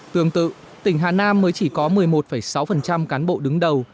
tương tự tỉnh hà nam mới chỉ có một mươi một sáu cán bộ đứng đầu